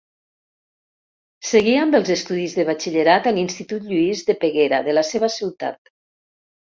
Seguí amb els estudis de batxillerat a l’Institut Lluís de Peguera de la seva ciutat.